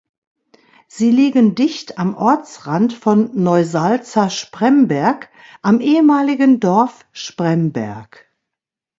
Sie liegen dicht am Ortsrand von Neusalza-Spremberg, am ehemaligen Dorf Spremberg.